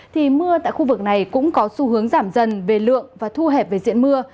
thì mưa tại khu vực này cũng có xu hướng giảm dần về lượng và thu hẹp về diện mưa